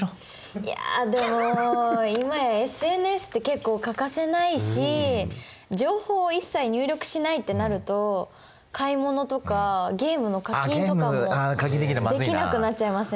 いやでも今やＳＮＳって結構欠かせないし情報を一切入力しないってなると買い物とかゲームの課金とかもできなくなっちゃいません？